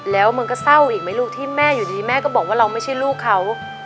แล้วมันก็เศร้าอีกไหมลูกที่แม่อยู่ดีแม่ก็บอกว่าเราไม่ใช่ลูกเขา